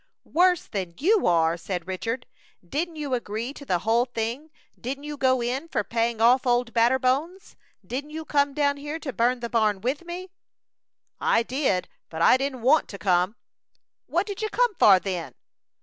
"Worse than you are!" said Richard. "Didn't you agree to the whole thing? Didn't you go in for paying off Old Batterbones? Didn't you come down here to burn the barn with me?" "I did, but I didn't want to come." "What did you come for, then?"